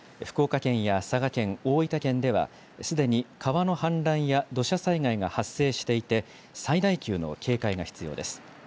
福岡県や佐賀県、大分県では、すでに川の氾濫や土砂災害が発生していて、最大級の警戒が必要です。